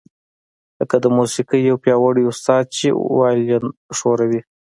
لکه د موسیقۍ یو پیاوړی استاد چې وایلون ښوروي